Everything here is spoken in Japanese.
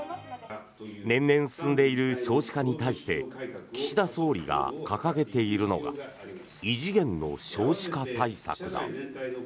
年々進んでいる少子化に対して岸田総理が掲げているのが異次元の少子化対策だ。